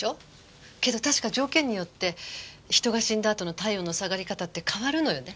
けど確か条件によって人が死んだあとの体温の下がり方って変わるのよね？